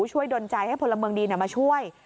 ช่วยดนตรายให้พลเมิงดีมาช่วย